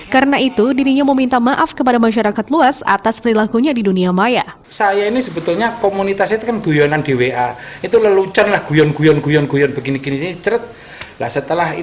karena itu dirinya meminta maaf kepada masyarakat luas atas perilakunya di dunia maya